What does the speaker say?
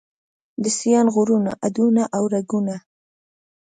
د سیاڼ غرونو هډونه او رګونه